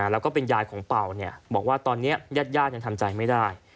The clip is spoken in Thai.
แล้วก็เป็นยายของเป่าบอกว่าตอนนี้ญาติยังทำใจไม่ได้